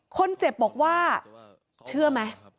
คนเจ็บบอกว่าเชื่อไหม